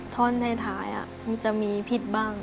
ท่อนท้ายมันจะมีผิดบ้าง